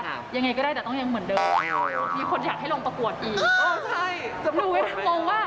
ทะเลใต้พัทยามันยังไม่พิมพ์พออีกหรือ